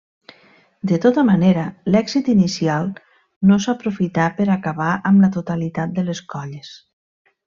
De tota manera, l'èxit inicial no s'aprofità per acabar amb la totalitat de les colles.